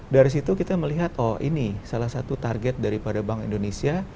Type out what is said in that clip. dari situ kita melihat oh ini salah satu target daripada bank indonesia